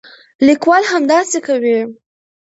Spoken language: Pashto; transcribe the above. لیکوال همداسې کوي.